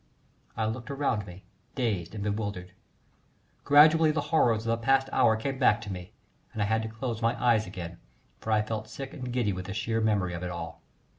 I looked around me dazed and bewildered; gradually the horrors of the past hour came back to me, and I had to close my eyes again, for I felt sick and giddy with the sheer memory of it all.